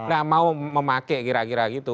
nah mau memakai kira kira gitu